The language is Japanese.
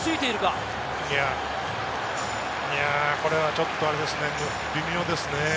いや、これはちょっとあれですね。